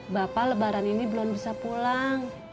bapak lebaran ini belum bisa pulang